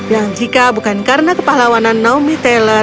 yang jika bukan karena kepahlawanan naomi taylor